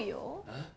えっ？